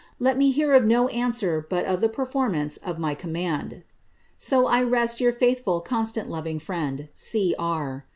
Let lue hear of no answer but of the performance of my command. So I rest your faithful, constant, loving friend,^ «C. R.